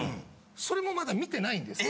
それもまだ見てないんですよ。